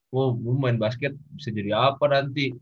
mau main basket bisa jadi apa nanti